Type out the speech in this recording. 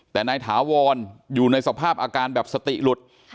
แต่นายถาวรอยู่ในสภาพอาการแบบสติหลุด